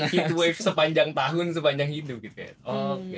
heat wave sepanjang tahun sepanjang hidup gitu ya